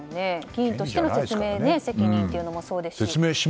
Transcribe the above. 議員としての説明責任というのもそうですし。